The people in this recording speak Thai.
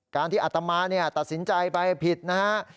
การที่อัตมาตัดสินใจไปผิดนะฮะ